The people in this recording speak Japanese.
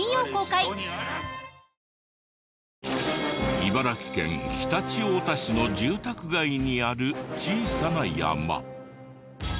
茨城県常陸太田市の住宅街にある小さな山。